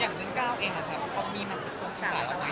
อย่างดังนี้ก้าวเองมีมาตัดตรงที่หลายออกไหม